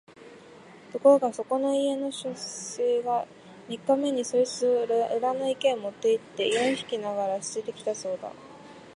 ところがそこの家の書生が三日目にそいつを裏の池へ持って行って四匹ながら棄てて来たそうだ